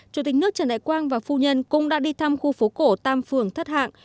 chủ tịch nước trần đại quang và phu nhân cũng đã đi thăm khu phố cổ tam phường thất hạng